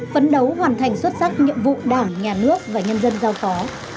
phấn đấu hoàn thành xuất sắc nhiệm vụ đảng nhà nước và nhân dân giao phó